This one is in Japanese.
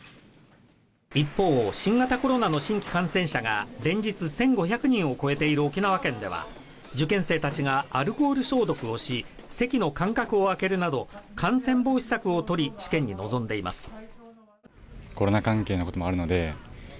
一方、新型コロナの新規感染者が連日１５００人を超えている沖縄県では受験生たちがアルコール消毒をし、席の間隔を空けるなど感染防止策をとり、試験に臨んでいます。